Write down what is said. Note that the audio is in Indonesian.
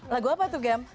lagu apa tuh gem